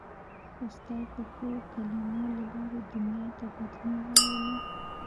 استاد د ښو کلمو له لارې دنیا ته بدلون راولي.